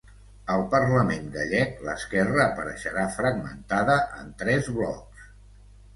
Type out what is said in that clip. Al parlament gallec l’esquerra apareixerà fragmentada en tres blocs.